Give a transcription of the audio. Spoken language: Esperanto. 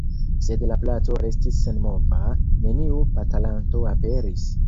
Sed la placo restis senmova, neniu batalanto aperis.